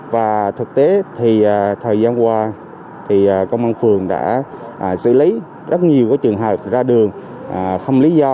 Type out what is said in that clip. và thực tế thì thời gian qua thì công an phường đã xử lý rất nhiều trường hợp ra đường không lý do